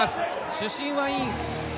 主審はイン。